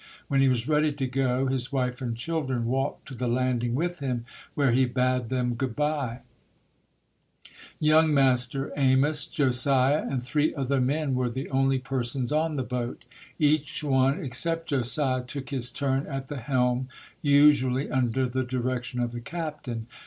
When he was ready to go, his wife and children walked to the landing with him, where he bade them good bye. Young master Amos, Josiah and three other men were the only persons on the boat. Each one except Josiah took his turn at the helm, usual ly under the direction of the captain.